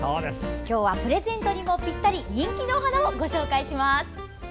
今日はプレゼントにもぴったり人気のお花をご紹介します！